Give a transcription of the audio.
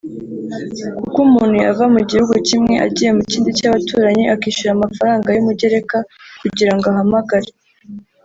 koko umuntu yava mu gihugu kimwe agiye mu kindi cy’abaturanyi akishyura amafaranga y’umugereka kugira ngo ahamagare